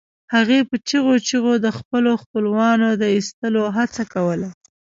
هغې په چیغو چیغو د خپلو خپلوانو د ایستلو هڅه کوله